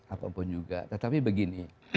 apapun juga tetapi begini